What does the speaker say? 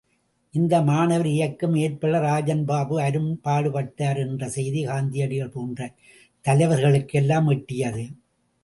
இந்த மாணவர் இயக்கம் ஏற்பட ராஜன் பாபு அரும்பாடுபட்டார் என்ற செய்தி காந்தியடிகள் போன்ற தலைவர்களுக்கெல்லாம் எட்டியது.